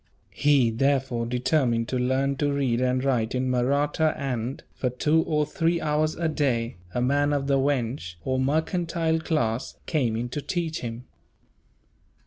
He therefore determined to learn to read and write in Mahratta and, for two or three hours a day, a man of the weynsh, or mercantile class, came in to teach him.